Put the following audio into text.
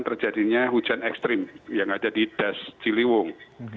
terjadinya hujan ekstrim yang ada di das ciliwung